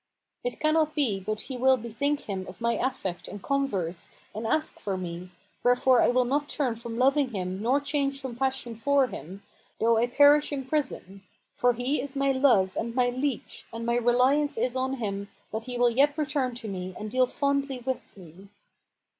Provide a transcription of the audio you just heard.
It cannot be but he will bethink him of my affect and converse and ask for me, wherefore I will not turn from loving him nor change from passion for him, though I perish in prison; for he is my love and my leach[FN#468] and my reliance is on him that he will yet return to me and deal fondly with me."